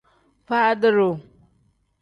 Faadi-duu.